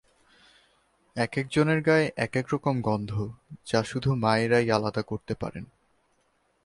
একেকজনের গায়ে একেকরকম গন্ধ যা শুধু মায়েরাই আলাদা করতে পারেন।